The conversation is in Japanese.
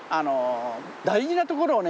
大事なところをね